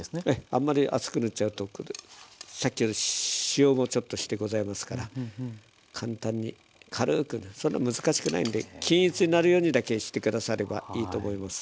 あんまり厚く塗っちゃうとさっきの塩もちょっとしてございますから簡単に軽くでそんな難しくないんで均一になるようにだけして下さればいいと思います。